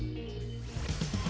ini menghidupkan pemerintah indonesia